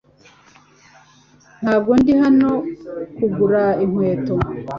Ntabwo ndi hano kugura inkweto .